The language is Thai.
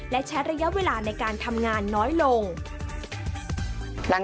และใช้ระยะเวลาในการทำงานน้อยลง